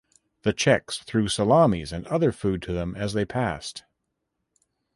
The Czechs threw salamis and other food to them as they passed.